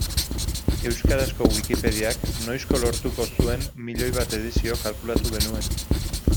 Euskarazko Wikipediak noizko lortuko zuen miloi bat edizio kalkulatu genuen.